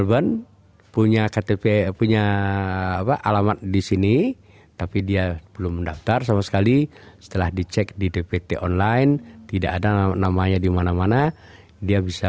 bagaimana sampai saat ini